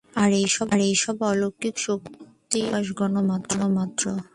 আর এইসব অলৌকিক শক্তির প্রকাশ গৌণমাত্র।